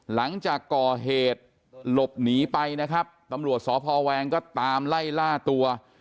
หลังจากก่อเหตุหลบหนีไปนะครับตำรวจสพแวงก็ตามไล่ล่าตัว